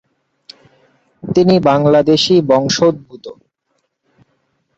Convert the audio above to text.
তিনি বাংলাদেশি বংশোদ্ভূত।